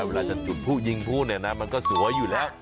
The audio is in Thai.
เวลาจะจุดผู้ยิงผู้เนี่ยนะมันก็สวยอยู่แล้ว